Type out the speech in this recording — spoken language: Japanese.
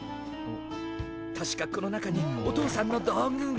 確かこの中にお父さんの道具が。